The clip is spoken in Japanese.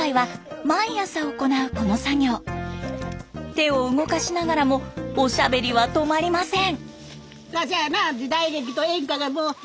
手を動かしながらもおしゃべりは止まりません。